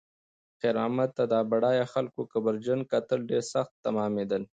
خیر محمد ته د بډایه خلکو کبرجن کتل ډېر سخت تمامېدل.